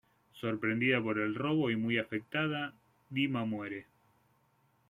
Sorprendida por el robo y muy afectada, Dima muere.